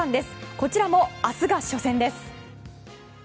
こちらも明日が初戦です。